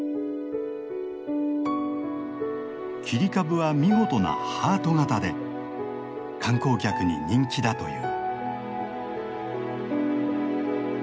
切り株は見事なハート形で観光客に人気だという。